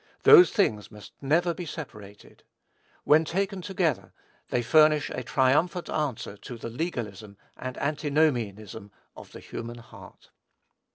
Those things must never be separated. When taken together, they furnish a triumphant answer to the legalism and antinomianism of the human heart.